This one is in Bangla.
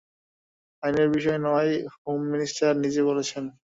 আইনের বিষয় নয়, হোম মিনিষ্টার নিজে বলেছেন।